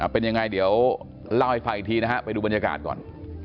เป็นยังไงเดี๋ยวเล่าให้ฟังอีกทีนะฮะไปดูบรรยากาศก่อน